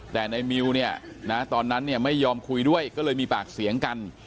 แต่ในมิวเนี่ยนะตอนนั้นเนี่ยไม่ยอมคุยด้วยก็เลยมีปากเสียงกัน